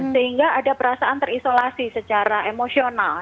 sehingga ada perasaan terisolasi secara emosional